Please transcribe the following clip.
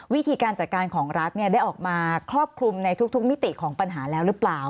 วิธีการจัดการของรัฐได้ออกมาครอบคลุมในทุกมิติของปัญหาแล้วหรือเปล่า